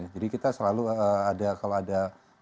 jadi kita selalu ada kalau ada